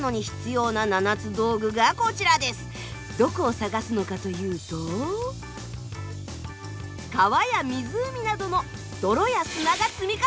どこを探すのかというと川や湖などの泥や砂が積み重なった地層。